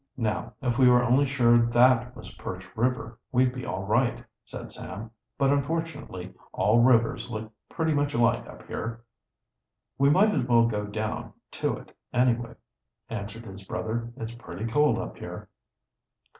"Now, if we were only sure that was Perch River, we'd be all right," said Sam. "But unfortunately all rivers look pretty much alike up here." "We might as well go down to it, anyway," answered his brother. "It's pretty cold up here."